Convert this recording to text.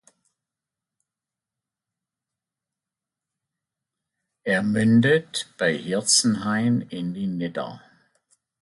Er mündet bei Hirzenhain in die "Nidder".